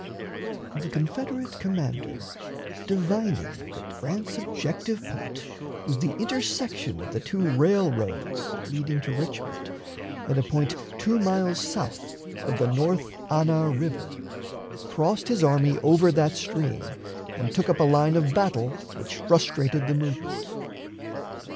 The Confederate commander, divining that Grant's objective point was the intersection of the two railroads leading to Richmond at a point two miles south of the North Anna River, crossed his army over that stream and took up a line of battle which frustrated the movement.